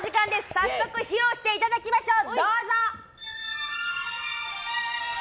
早速、披露していただきましょう。